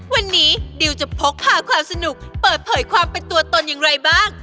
วันนี้ดิวจะพกพาความสนุกเปิดเผยความเป็นตัวตนอย่างไรบ้าง